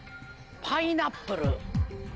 パイナップル。